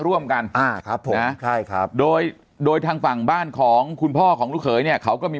ร่วมกันโดยโดยทางฝั่งบ้านของคุณพ่อของลูกเคยเนี่ยเขาก็มี